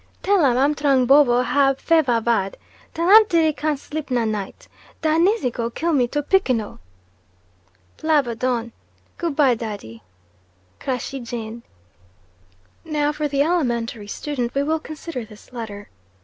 Till am Amtrang Boboh hab febah bad. Till am titty carn sleep nah night. Dah nize go kill me two pickin, oh! Plabba done. Good by Daddy. Crashey Jane." Now for the elementary student we will consider this letter.